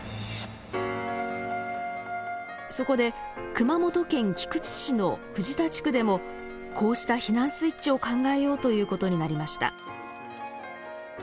そこで熊本県菊池市の藤田地区でもこうした避難スイッチを考えようということになりました。